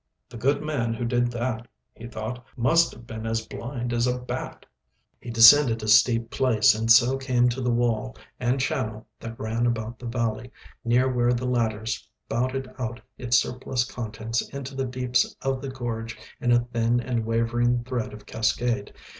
"The good man who did that," he thought, "must have been as blind as a bat." He descended a steep place, and so came to the wall and channel that ran about the valley, near where the latter spouted out its surplus contents into the deeps of the gorge in a thin and wavering thread of cascade.